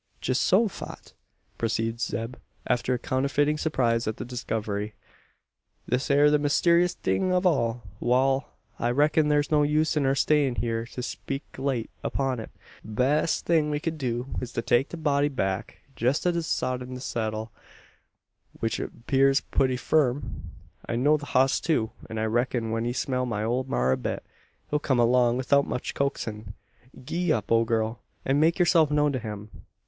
"Geehosophat!" proceeds Zeb, after counterfeiting surprise at the discovery, "this air the mysteeriousest thing o' all. Wal; I reck'n thur's no use in our stayin' hyur to spek'late upon it. Bessest thing we kin do 's to take the body back, jest as it's sot in the seddle which it appears putty firm. I know the hoss too; an I reck'n, when he smell my ole maar a bit, he'll kum along 'ithout much coaxin'. Gee up, ole gurl! an make yurself know'd to him.